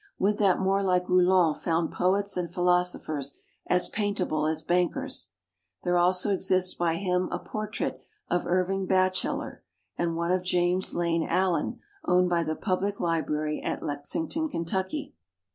Would that more like Rouland found poets and philosophers as paintable as bankers! There also exist by him a portrait of Irving Bacheller and one of James Lane Allen, owned by the Public Li brary at Lexington, Kentucky.